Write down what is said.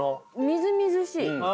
みずみずしい。